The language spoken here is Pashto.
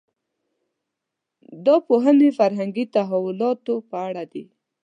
دا پوهنې فرهنګي تحولاتو په اړه دي.